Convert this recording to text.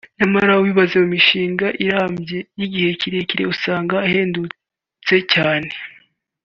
nyamara ubibaze mu mishinga irambye (y’igihe kirerkire) usanga ahendutse cyane